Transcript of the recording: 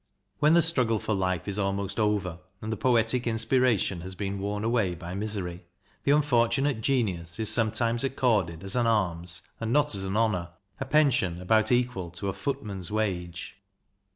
When the struggle for life is almost over, and the poetic inspiration has been worn away by misery, the unfortunate genius is sometimes accorded as an alms, and not as an honour, a pension about equal to a footman's wage.